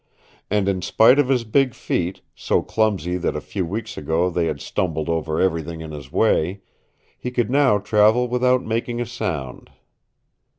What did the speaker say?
And in spite of his big feet, so clumsy that a few weeks ago they had stumbled over everything in his way, he could now travel without making a sound.